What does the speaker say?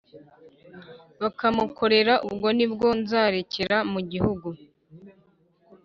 bukamukorera ubwo ni bwo nzarekera mu gihugu